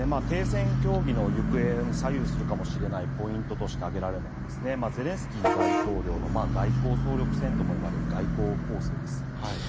停戦協議の行方を左右するかもしれないポイントとして挙げられるのがゼレンスキー大統領の外交総力戦ともいわれる外交攻勢です。